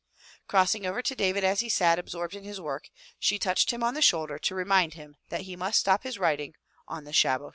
Crossing over to David, as he sat absorbed in his work, she touched him on the shoulder to remind him that he must stop his writing on Shabbos.